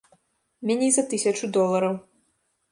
Меней за тысячу долараў.